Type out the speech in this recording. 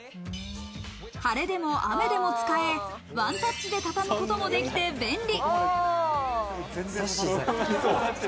晴れでも雨でも使え、ワンタッチでたたむこともできて便利。